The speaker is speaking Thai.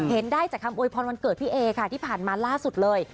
เห็นได้จากคำโวยพรวันเกิดพี่เอค่ะที่ผ่านมาล่าสุดเลย